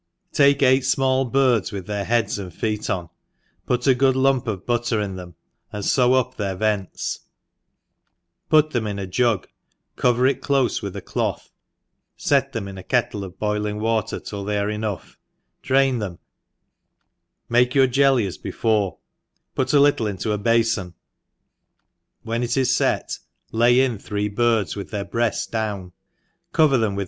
TAKE eight fmall birds with their head* and feet on, pdt a good lump of butter in them and few up their vents, put them in a jug, cover it clofe with a cloth, fct them in a kettle 6f I boiling 284 THE EXPERIENCED boiling water till tbcy are enough, drain them* make your jelly as before, puf a littjc into a bafon, when it is fet^ lay in three birds with their breads down, :Coyer them with.